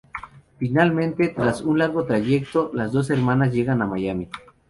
Finalmente, tras un largo trayecto, las dos hermanas llegan a Miami.